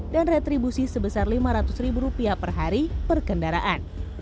dan retribusi sebesar lima ratus ribu rupiah per hari per kendaraan